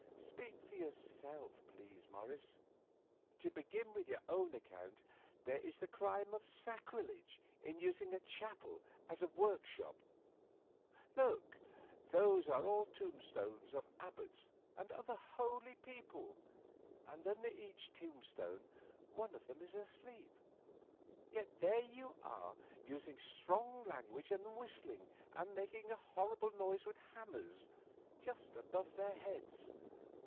"Speak for yourself, please, Morris. To begin with your own account, there is the crime of sacrilege in using a chapel as a workshop. Look, those are all tombstones of abbots and other holy people, and under each tombstone one of them is asleep. Yet there you are, using strong language and whistling and making a horrible noise with hammers just above their heads.